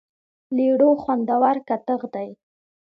لیړو خوندور کتغ دی.